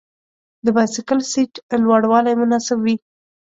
د بایسکل سیټ لوړوالی مناسب وي.